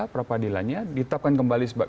peradilannya ditapkan kembali